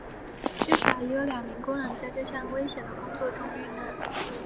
至少已有两名工人在这项危险的工作中遇难。